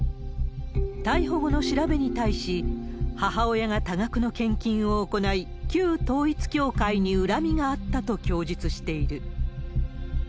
逮捕後の調べに対し、母親が多額の献金を行い、旧統一教会に恨みがあったと供述している。